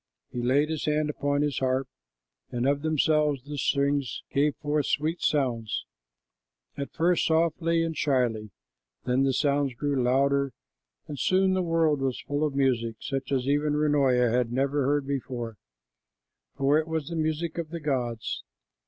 He laid his hand upon his harp, and of themselves the strings gave forth sweet sounds, at first softly and shyly. Then the sounds grew louder, and soon the world was full of music, such as even Runoia had never heard before, for it was the music of the gods.